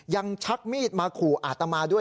ชักมีดมาขู่อาตมาด้วย